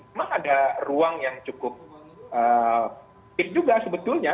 memang ada ruang yang cukup fit juga sebetulnya